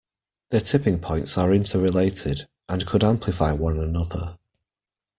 The tipping points are interrelated, and could amplify one another.